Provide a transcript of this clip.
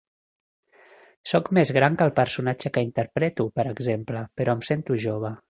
Sóc més gran que el personatge que interpreto, per exemple, però em sento jove.